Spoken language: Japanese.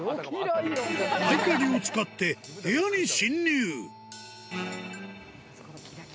合鍵を使って部屋に侵入。